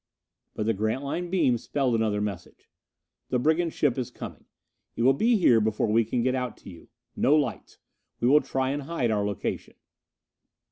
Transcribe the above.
But the Grantline beam spelled another message: "_The brigand ship is coming! It will be here before we can get out to you! No lights! We will try and hide our location.